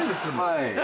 はい。